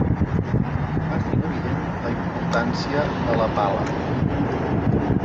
Facin evident la importància de la pala.